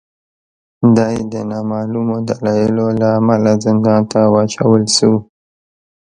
دای د نامعلومو دلایلو له امله زندان ته واچول شو.